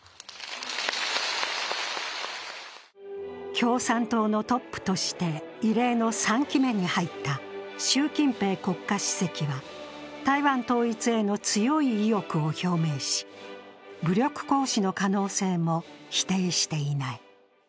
共産党のトップとして異例の３期目に入った習近平国家主席は、台湾統一への強い意欲を表明し、武力行使の可能性も否定していない。